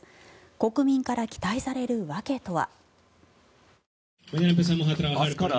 国民から期待される訳とは。